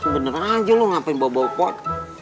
bener aja lo ngapain bawa bawa pot